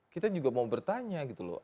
kita juga mau bertanya gitu loh